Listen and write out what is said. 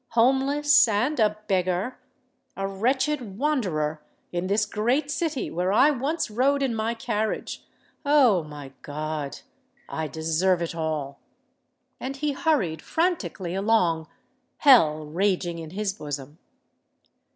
Homeless—and a beggar!—a wretched wanderer in this great city where I once rode in my carriage! Oh! my God—I deserve it all!" And he hurried franticly along—hell raging in his bosom.